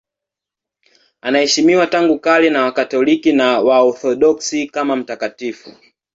Anaheshimiwa tangu kale na Wakatoliki na Waorthodoksi kama mtakatifu.